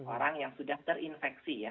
orang yang sudah terinfeksi ya